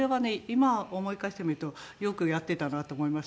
今思い返してみるとよくやってたなと思います。